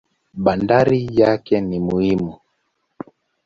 Bandari yake ni muhimu.